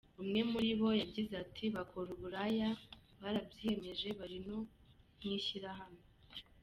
Umwe muri bo yagize ati “Bakora uburaya barabyiyemeje, bari no mu ishyirahamwe.